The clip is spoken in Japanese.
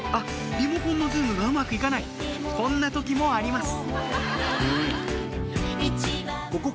リモコンのズームがうまく行かないこんな時もあります